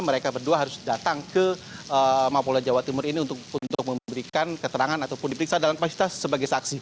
mereka berdua harus datang ke mapolda jawa timur ini untuk memberikan keterangan ataupun diperiksa dalam kapasitas sebagai saksi